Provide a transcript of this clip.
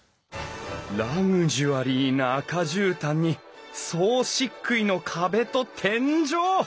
ラグジュアリーな赤じゅうたんに総しっくいの壁と天井！